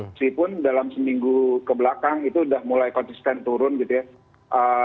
meskipun dalam seminggu kebelakang itu sudah mulai konsisten turun gitu ya